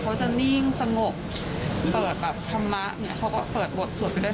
เขาจะนิ่งสงบเปิดธรรมะเขาก็เปิดบทสวดไปได้